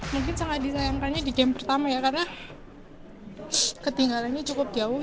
mungkin sangat disayangkannya di game pertama ya karena ketinggalannya cukup jauh